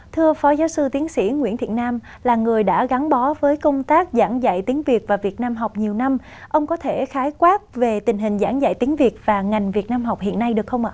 thưa phó giáo sư tiến sĩ nguyễn thiện nam là người đã gắn bó với công tác giảng dạy tiếng việt và việt nam học nhiều năm ông có thể khái quát về tình hình giảng dạy tiếng việt và ngành việt nam học hiện nay được không ạ